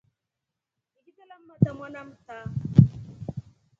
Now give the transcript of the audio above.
Ikite lammatra mwana mta.